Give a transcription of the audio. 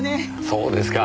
そうですか。